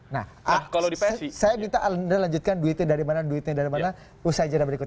nah saya minta anda lanjutkan duitnya dari mana duitnya dari mana usai jadwal berikut